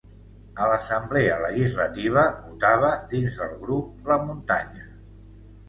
A l'Assemblea legislativa, votava dins del grup La muntanya.